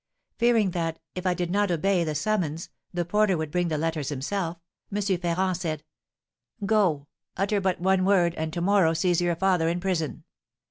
Fearing that, if I did not obey the summons, the porter would bring the letters himself, M. Ferrand said, 'Go; utter but one word, and to morrow sees your father in prison.